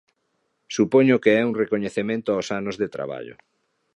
Supoño que é un recoñecemento aos anos de traballo.